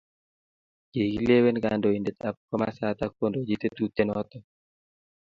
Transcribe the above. Kikilewen kandoindetab komasatak kondochi tetutienotok.